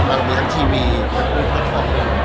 มีทั้งทีวีบุธออก